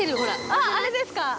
あっあれですか？